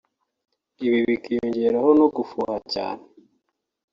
ibi bikiyongeraho no gufuha cyane